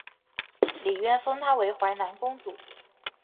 李渊封她为淮南公主。